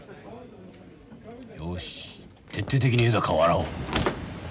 よし徹底的に江坂を洗おう。